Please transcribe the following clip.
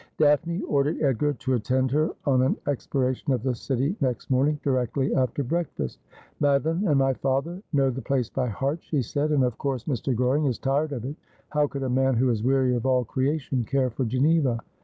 Daphne ordered Edgar to attend her on an exploration of the city next morning, directly after breakfast. ' Madoline and my father know the place by heart,' she said ;' and, of course, Mr. Goring is tired of it. How could a man who is weary of all creation care for Geneva